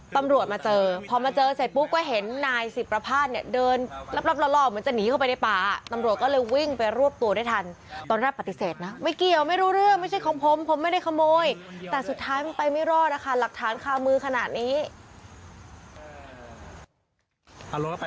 แต่สุดท้ายมันไปไม่รอดนะคะหลักฐานคาวมือขนาดนี้